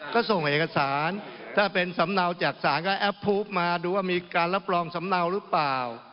ก็ส่งเอกสารถ้าเป็นสำเนาจากศาลก็แอปพูปมาดูว่ามีการรับรองสำเนาหรือเปล่า